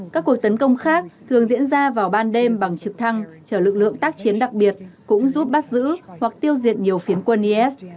các cuộc tấn công khác thường diễn ra vào ban đêm bằng trực thăng chở lực lượng tác chiến đặc biệt cũng giúp bắt giữ hoặc tiêu diệt nhiều phiến quân is